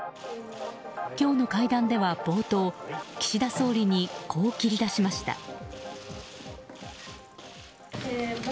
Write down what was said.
今日の会談では冒頭岸田総理にこう切り出しました。